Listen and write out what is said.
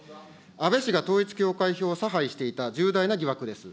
安倍氏が統一教会票を差配していた重大な疑惑です。